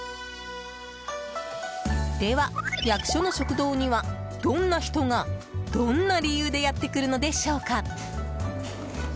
では、役所の食堂にはどんな人が、どんな理由でやってくるのでしょうか。